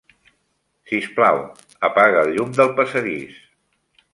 Sisplau, apaga el llum del passadís.